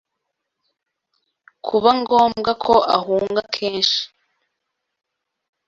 kuba ngombwa ko ahunga kenshi